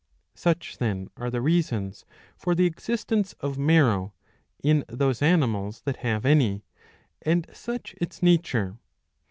Such then are the reasons for the existence of marrow, in those animals that have any, and such its nature.